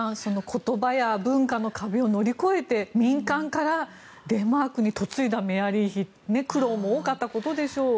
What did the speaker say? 言葉や文化の壁を乗り越えて民間からデンマークに嫁いだメアリー妃苦労も多かったことでしょう。